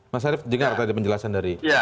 mas arief dengar tadi penjelasan dari